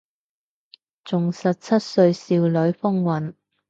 仲十七歲少女風韻